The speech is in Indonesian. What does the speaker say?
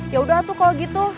yaudah tuh kalau gitu